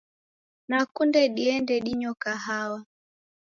Nakunde diende dinyo kahawa.